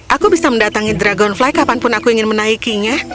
aku bisa mendatangi dragonfly kapanpun aku ingin menaikinya